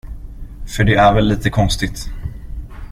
För det är väl lite konstigt?